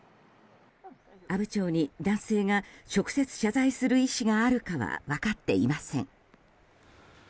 阿武町に男性が直接謝罪する意思があるかは分かっていません。